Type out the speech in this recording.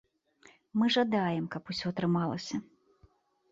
Мы жадаем, каб усе атрымалася.